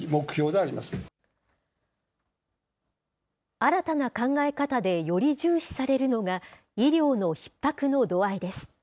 新たな考え方でより重視されるのが、医療のひっ迫の度合いです。